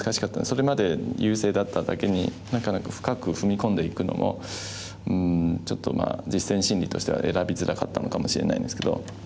それまで優勢だっただけになかなか深く踏み込んでいくのもうんちょっと実戦心理としては選びづらかったのかもしれないんですけど。